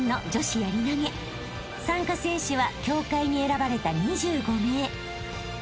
［参加選手は協会に選ばれた２５名］